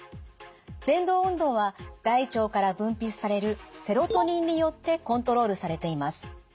ぜんどう運動は大腸から分泌されるセロトニンによってコントロールされています。